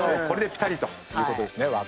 これでピタリということですね。